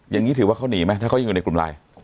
อย่างนี้ถือว่าเขาหนีไหมถ้าเขายังอยู่ในกลุ่มไลน์